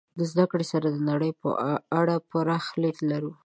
د زدهکړې سره د نړۍ په اړه پراخ لید لرو.